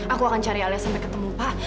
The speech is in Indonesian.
aku akan cari alias sampai ketemu pak